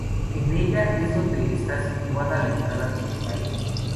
En ella es donde está situada la entrada principal.